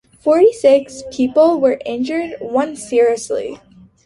Forty-six people were injured; one seriously.